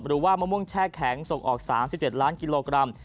มะม่วงแช่แข็งส่งออก๓๑ล้านกิโลกรัม